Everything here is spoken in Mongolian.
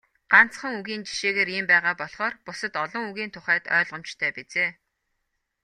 Ганцхан үгийн жишээгээр ийм байгаа болохоор бусад олон үгийн тухайд ойлгомжтой биз ээ.